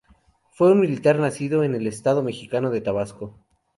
Fue un militar nacido en el estado mexicano de Tabasco.